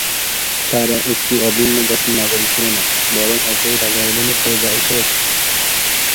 তারা একটি অভিন্ন জাতির নাগরিক ছিল না, বরং একই রাজার অধীনে প্রজা হিসেবে বাস করত।